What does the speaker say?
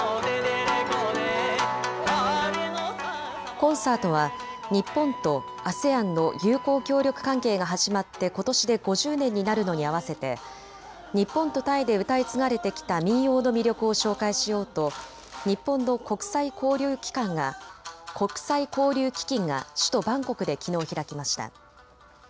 コンサートは日本とＡＳＥＡＮの友好協力関係が始まってことしで５０年になるのに合わせて日本とタイで歌い継がれてきた民謡の魅力を紹介しようと日本の国際交流基金が首都バンコクできのう開きました。